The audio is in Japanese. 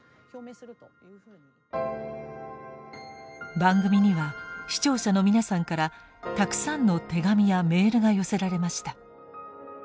番組には視聴者の皆さんからたくさんの手紙やメールが寄せられました。